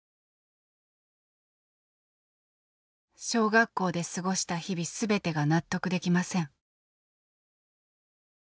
「小学校で過ごした日々全てが納得できません」。